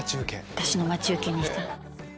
私の待ち受けにしたの。